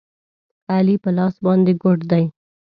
علي په لاس باندې ګوډ دی.